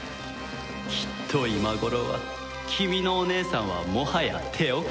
きっと今頃は君のお姉さんはもはや手遅れだ。